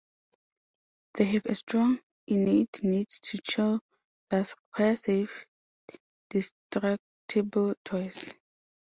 They have a strong, innate need to chew, thus require safe, destructible toys.